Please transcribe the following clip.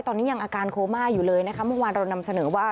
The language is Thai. ตอนนี้ยังอาการโคม่าอยู่เลยนะคะเมื่อวานเรานำเสนอว่า